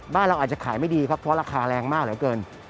เราอาจจะขายไม่ดีครับเพราะราคาแรงมากเหลือเกิน